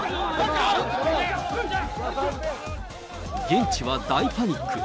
現地は大パニック。